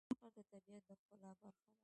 سلیمان غر د طبیعت د ښکلا برخه ده.